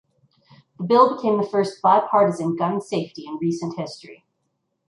The bill became the first bipartisan gun safety in recent history.